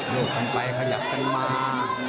โลกทางไปขยับกันมา